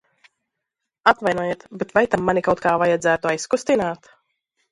Atvainojiet, bet vai tam mani kaut kā vajadzētu aizkustināt?